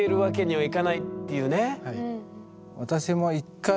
はい。